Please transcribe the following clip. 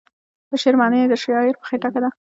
د شعر معنی د شاعر په خیټه کې ده .